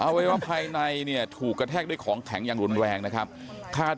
วัยวะภายในเนี่ยถูกกระแทกด้วยของแข็งอย่างรุนแรงนะครับคาด